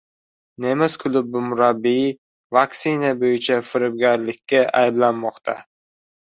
Nemis klubi murabbiyi vaksina bo‘yicha firibgarlikda ayblanmoqda